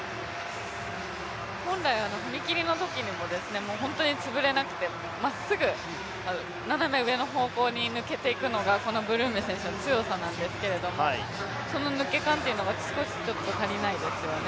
本来踏み切りのときにも、本当につぶれなくてまっすぐ斜め上の方向に抜けていくのがブルーメ選手の強さなんですけどその抜け感が少し足りないですよね。